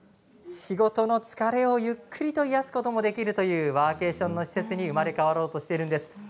仕事の疲れをゆっくりと癒やすこともできるワーケーションの施設に生まれ変わろうとしているんです。